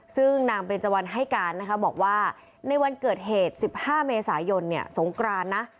ซึ่งนางเบนเจวันให้การนะคะบอกว่าในวันเกิดเหตุ๑๕เมษายนสงกรานนะ